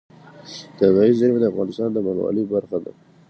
طبیعي زیرمې د افغانستان د بڼوالۍ برخه ده.